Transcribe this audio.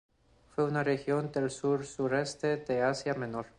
Fue una región del sur-sureste de Asia Menor.